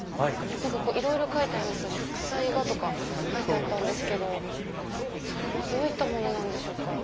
何かいろいろ植彩画とか書いてあったんですけどそれはどういったものなんでしょうか？